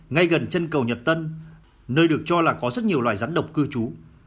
ngay gần chân cầu nhật tân nơi được cho là có rất nhiều loài rắn độc cư trú